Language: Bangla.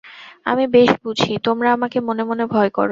আমি বেশ বুঝি, তোমরা আমাকে মনে মনে ভয় কর।